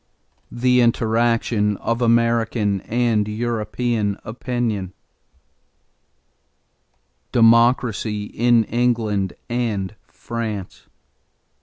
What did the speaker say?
THE INTERACTION OF AMERICAN AND EUROPEAN OPINION =Democracy in England and France.